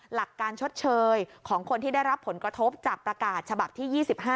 หลักการชดเชยของคนที่ได้รับผลกระทบจากประกาศฉบับที่๒๕